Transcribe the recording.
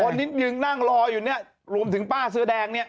นิดนึงนั่งรออยู่เนี่ยรวมถึงป้าเสื้อแดงเนี่ย